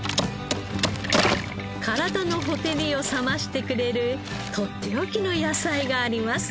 体の火照りを冷ましてくれるとっておきの野菜があります。